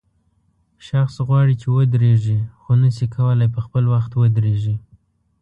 شخص غواړي چې ودرېږي خو نشي کولای په خپل وخت ودرېږي.